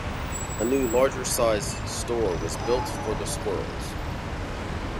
A new larger sized store was built for the Squirrels.